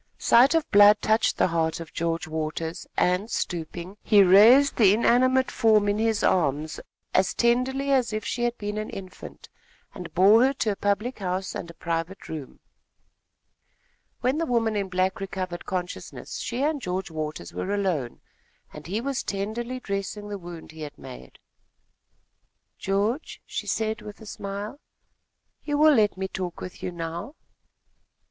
Sight of blood touched the heart of George Waters, and, stooping, he raised the inanimate form in his arms, as tenderly as if she had been an infant, and bore her to a public house and a private room. When the woman in black recovered consciousness, she and George Waters were alone, and he was tenderly dressing the wound he had made. "George," she said with a smile, "you will let me talk with you now?"